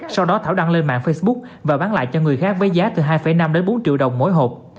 sau đó thảo đăng lên mạng facebook và bán lại cho người khác với giá từ hai năm đến bốn triệu đồng mỗi hộp